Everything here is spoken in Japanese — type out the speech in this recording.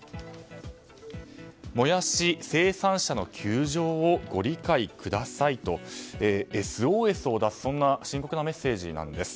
もやし生産者の窮状をご理解くださいとＳＯＳを出す深刻なメッセージなんです。